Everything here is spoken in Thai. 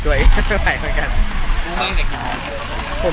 สวัสดีครับทุกคน